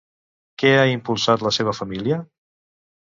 Què ha impulsat la seva família?